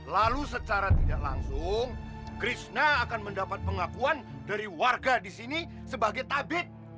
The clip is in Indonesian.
lalu secara tidak langsung krishna akan mendapat pengakuan dari warga di sini sebagai tabit